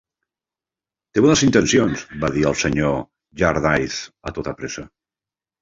"Té bones intencions", va dir el senyor Jarndyce a tota pressa.